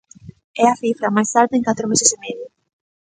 É a cifra máis alta en catro meses e medio.